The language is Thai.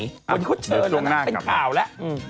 คนที่เขาเชิญละเป็นกล่าวละ